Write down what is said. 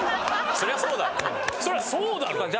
そりゃそうだ！